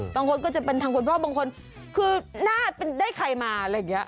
บางคนก็จะเป็นทางคุณพ่อบางคนคือหน้าได้ใครมาอะไรอย่างนี้